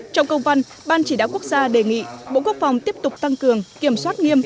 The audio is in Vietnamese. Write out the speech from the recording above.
trong công văn ban chỉ đạo quốc gia đề nghị bộ quốc phòng tiếp tục tăng cường kiểm soát nghiêm